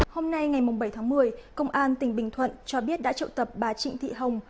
hôm nay ngày bảy tháng một mươi công an tỉnh bình thuận cho biết đã triệu tập bà trịnh thị hồng